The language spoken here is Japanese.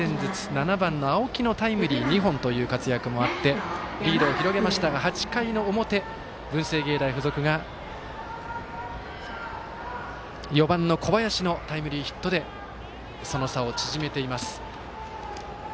７番の青木のタイムリー２本という活躍もあってリードを広げましたが、８回の表文星芸大付属が４番の小林のタイムリーヒットでその差を縮めています。